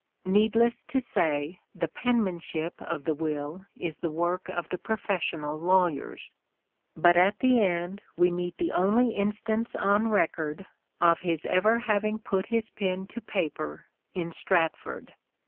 Needless to say the penmanship of the will is the shakspere's work of the professional lawyers ; but at the end PenmanshlP we meet the only instance on record of his ever having put his pen to paper in Stratford.